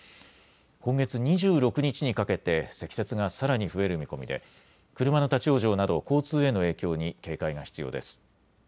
今月２６日にかけて積雪がさらに増える見込みで車の立往生など交通への影響に警戒が必要です。